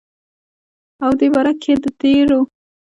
او دې باره کښې دَ ډيرو